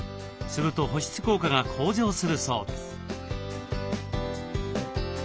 すると保湿効果が向上するそうです。